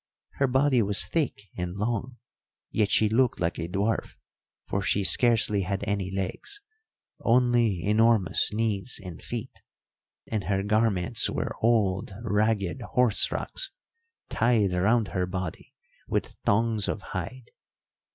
Her body was thick and long, yet she looked like a dwarf, for she scarcely had any legs, only enormous knees and feet; and her garments were old ragged horse rugs tied round her body with thongs of hide.